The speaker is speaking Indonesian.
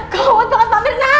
gawat banget bapak mirna